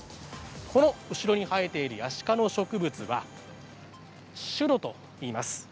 この後ろに生えているヤシ科の植物はシュロといいます。